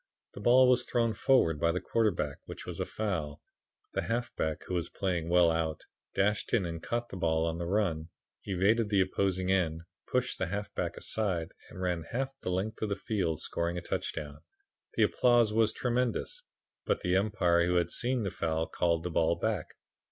The ball was thrown forward by the quarterback, which was a foul. The halfback, who was playing well out, dashed in and caught the ball on the run, evaded the opposing end, pushed the half back aside and ran half the length of the field, scoring a touchdown. The applause was tremendous. But the Umpire, who had seen the foul, called the ball back.